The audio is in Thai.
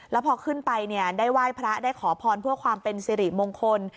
แล้วพอขึ้นไปได้ไหว้พระได้ขอพรเพื่อความเป็นสิริมงคล